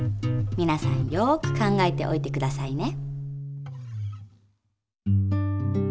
みなさんよく考えておいてくださいね。